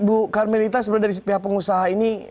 bu karmelita sebenarnya dari pihak pengusaha ini